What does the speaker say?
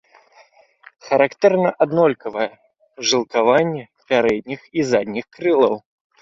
Характэрна аднолькавае жылкаванне пярэдніх і задніх крылаў.